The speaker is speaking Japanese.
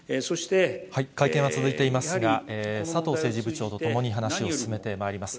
会見は続いていますが、佐藤政治部長と共に話を進めてまいります。